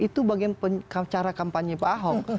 itu bagian cara kampanye pak ahok